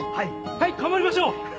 頑張りましょう！